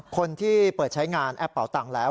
คนที่เปิดใช้งานแอปเป่าตังค์แล้ว